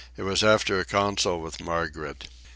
It was after a council with Margaret.